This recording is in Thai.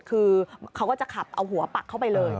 คือเขาก็จะขับเอาหัวปักเข้าไปเลย